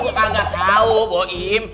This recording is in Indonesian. gak tau boim